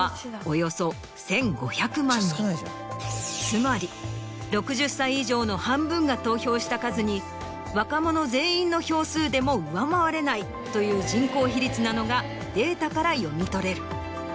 つまり６０歳以上の半分が投票した数に若者全員の票数でも上回れないという人口比率なのがデータから読み取れる。